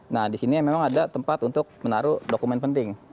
nah di sini memang ada tempat untuk menaruh dokumen penting